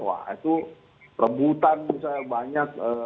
wah itu rebutan misalnya banyak